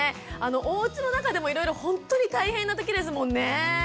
おうちの中でもいろいろほんとに大変な時ですもんね。